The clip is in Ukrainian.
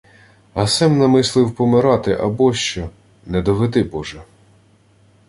— А се-м намислив помирати абощо... Не доведи, Боже.